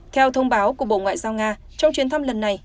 theo thông báo của bộ ngoại giao nga trong chuyến thăm lần này